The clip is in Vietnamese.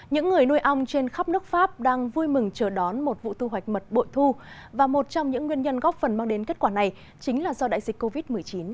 những người nuôi ong trên khắp nước pháp đang vui mừng chờ đón một vụ thu hoạch mật bội thu và một trong những nguyên nhân góp phần mang đến kết quả này chính là do đại dịch covid một mươi chín